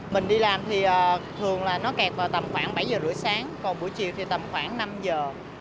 mình đi làm thì thường là nó kẹt vào tầm khoảng bảy giờ rưỡi sáng còn buổi chiều thì tầm khoảng năm giờ